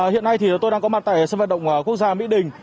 hiện nay thì tôi đang có mặt tại sân vận động quốc gia mỹ đình